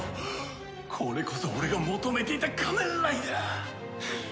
これこそ俺が求めていた仮面ライダー！